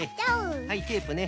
はいテープね。